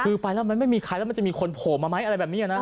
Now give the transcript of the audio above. คือไปแล้วมันไม่มีใครแล้วมันจะมีคนโผล่มาไหมอะไรแบบนี้นะ